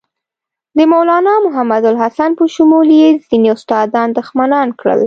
د مولنا محمودالحسن په شمول یې ځینې استادان دښمنان کړل.